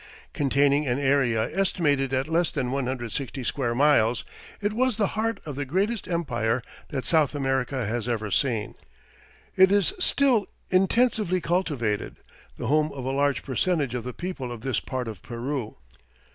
Containing an area estimated at less than 160 square miles, it was the heart of the greatest empire that South America has ever seen. It is still intensively cultivated, the home of a large percentage of the people of this part of Peru.